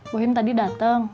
bohim tadi dateng